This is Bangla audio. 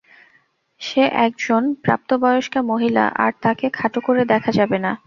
সে একজন প্রাপ্তবয়স্কা মহিলা আর তাকে খাটো করে দেখা যাবে না।